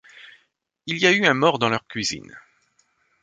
Il y a eu un mort dans leur cuisine.